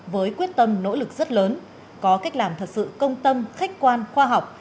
với quyết tâm nỗ lực rất lớn có cách làm thật sự công tâm khách quan khoa học